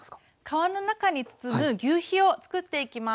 皮の中に包むぎゅうひをつくっていきます。